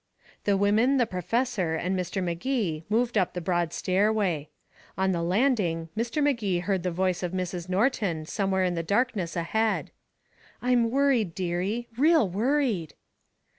The women, the professor and Mr. Magee moved up the broad stairway. On the landing Mr. Magee heard the voice of Mrs. Norton, somewhere in the darkness ahead. "I'm worried, dearie real worried."